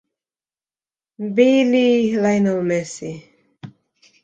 MbiliLionel Messi